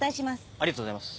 ありがとうございます。